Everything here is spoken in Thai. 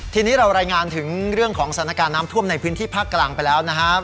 ทีนี้เรารายงานถึงเรื่องของสถานการณ์น้ำท่วมในพื้นที่ภาคกลางไปแล้วนะครับ